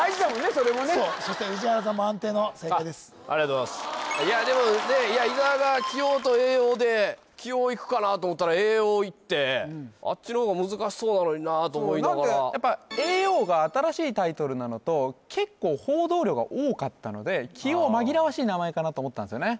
それもねそうそして宇治原さんも安定の正解ですありがとうございますでも伊沢が「棋王」と「叡王」で「棋王」いくかなと思ったら「叡王」いってあっちの方が難しそうなのになと思いながらやっぱ「叡王」が新しいタイトルなのと結構「棋王」は紛らわしい名前かなと思ったんですよね